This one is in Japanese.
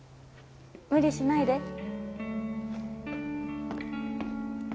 無理しないで。